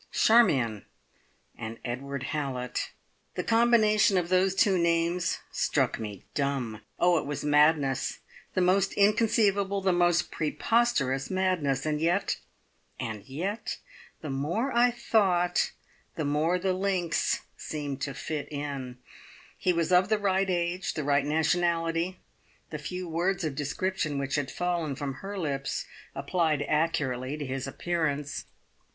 Charmion and Edward Hallett! The combination of those two names struck me dumb. Oh, it was madness the most inconceivable, the most preposterous madness. And yet, and yet the more I thought, the more the links seemed to "fit in". He was of the right age, the right nationality: the few words of description which had fallen from her lips applied accurately to his appearance.